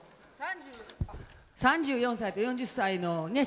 ３４歳と４０歳のね